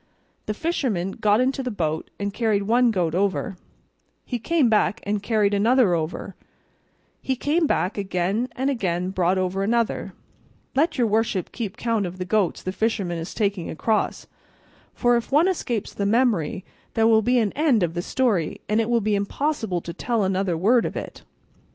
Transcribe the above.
The fisherman got into the boat and carried one goat over; he came back and carried another over; he came back again, and again brought over another let your worship keep count of the goats the fisherman is taking across, for if one escapes the memory there will be an end of the story, and it will be impossible to tell another word of it.